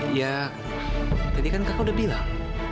ya tadi kan kakak udah bilang